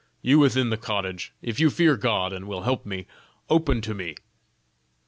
You within the cottage, if you fear God and will help me, open to me."